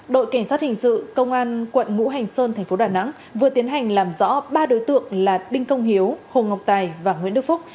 đội cảnh sát hình sự công an quận ngũ hành sơn thành phố đà nẵng vừa tiến hành làm rõ ba đối tượng là đinh công hiếu hồ ngọc tài và nguyễn đức phúc